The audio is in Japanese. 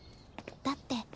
だって。